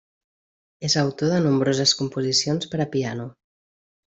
És autor de nombroses composicions per a piano.